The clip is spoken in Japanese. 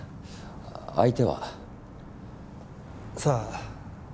相手は？さあ。